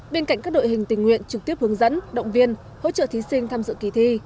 bên cạnh các đội hình tình nguyện trực tiếp hướng dẫn động viên hỗ trợ thí sinh tham dự kỳ thi